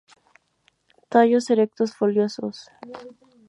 Tallos erectos, foliosos.